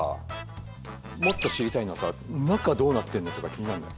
もっと知りたいのはさ中どうなってんのとか気になんない？